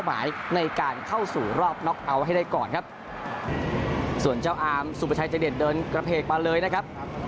อาร์มสุดประชายจังเดชเดินกระเภกมาเลยนะครับ